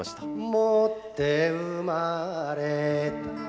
「持って生まれた」